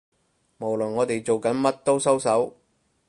無論我哋做緊乜都收手